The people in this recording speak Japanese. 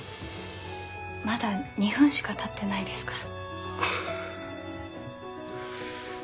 まだ２分しかたってないですから。